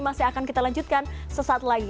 masih akan kita lanjutkan sesaat lagi